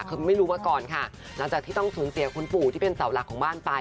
คือไม่รู้มาก่อนค่ะหลังจากที่ต้องสูญเสียคุณปู่ที่เป็นเสาหลักของบ้านไป